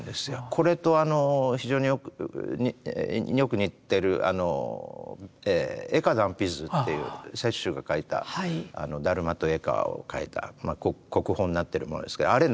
これと非常によく似てる「慧可断臂図」っていう雪舟が描いた達磨と慧可を描いた国宝になってるものですけどあれ